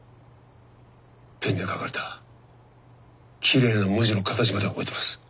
ペンで書かれたきれいな文字の形まで覚えてます。